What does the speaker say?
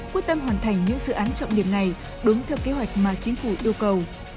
quyết tâm hoàn thành những dự án trọng điểm này đúng theo kế hoạch mà chính phủ yêu cầu